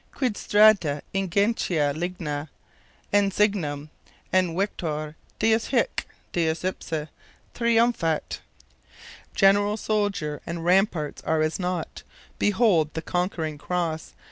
Quid strata ingentia ligna? En signum! En victor! Deus hic, Deus ipse, triumphat!' 'General, soldier, and ramparts are as naught! Behold the conquering Cross!